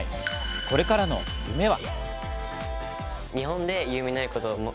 これからの夢は。